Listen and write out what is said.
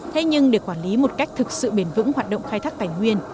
thế nhưng để quản lý một cách thực sự bền vững hoạt động khai thác tài nguyên